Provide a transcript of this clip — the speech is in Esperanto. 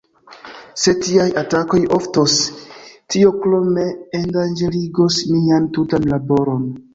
Se tiaj atakoj oftos, tio krome endanĝerigos nian tutan laboron.